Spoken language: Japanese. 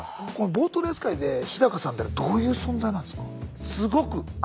ボートレース界で日高さんっていうのはどういう存在なんですか？